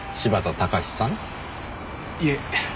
いえ。